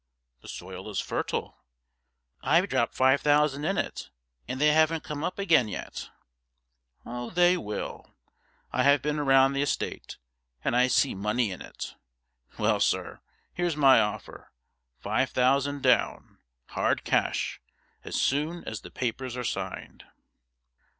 'The soil is fertile ' 'I've dropped five thousand in it, and they haven't come up again yet.' 'They will. I have been round the estate, and I see money in it. Well, sir, here's my offer: five thousand down, hard cash, as soon as the papers are signed.'